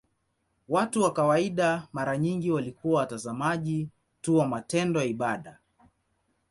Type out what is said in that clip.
Watu wa kawaida mara nyingi walikuwa watazamaji tu wa matendo ya ibada.